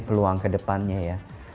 peluang kedepannya ya